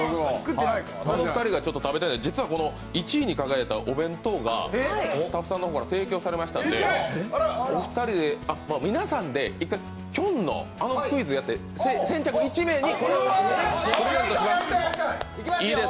この２人が食べてない、実は１位に輝いたお弁当がスタッフさんから提供されましたので、皆さんで一回きょんのクイズやって、先着１名にこれをプレゼントします。